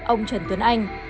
ông trần tuấn anh